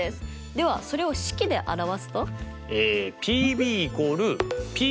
ではそれを式で表すと？